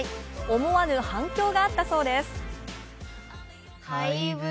思わぬ反響があったそうです。